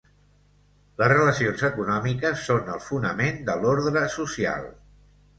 Les relacions econòmiques són el fonament de l'ordre social.